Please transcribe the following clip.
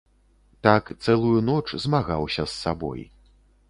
Так цэлую ноч змагаўся з сабой.